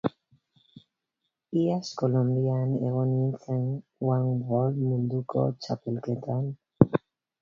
Iaz Kolonbian egon nintzen one wall munduko txapelketan.